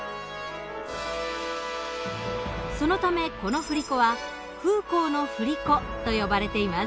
そのためこの振り子はフーコーの振り子と呼ばれています。